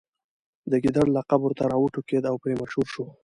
د ګیدړ لقب ورته راوټوکېد او پرې مشهور شو.